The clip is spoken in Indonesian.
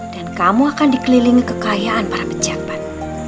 dan kamu akan dikelilingi kekayaan para pejabat